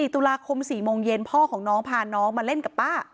๔ตุลาคม๔โมงเย็นพ่อของน้องพาน้องมาเล่นกับป้า